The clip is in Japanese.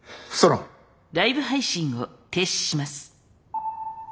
ライブ配信を停止します。